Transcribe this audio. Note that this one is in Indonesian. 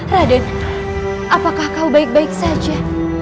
raden apakah kau baik baik saja